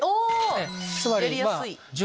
やりやすい！